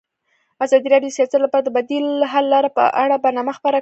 ازادي راډیو د سیاست لپاره د بدیل حل لارې په اړه برنامه خپاره کړې.